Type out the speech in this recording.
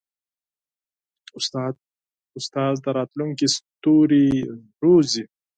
استاد د راتلونکي ستوري روزي.